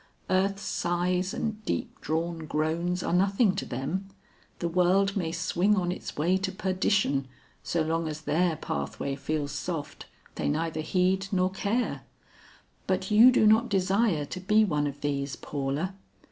Earth's sighs and deep drawn groans are nothing to them. The world may swing on in its way to perdition; so long as their pathway feels soft, they neither heed nor care. But you do not desire to be one of these, Paula!